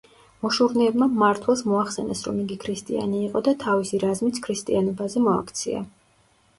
მოშურნეებმა მმართველს მოახსენეს, რომ იგი ქრისტიანი იყო და თავისი რაზმიც ქრისტიანობაზე მოაქცია.